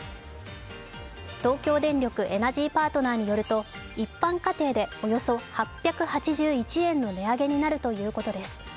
東京電力エナジーパートナーによると一般家庭でおよそ８８１円の値上げになるということです。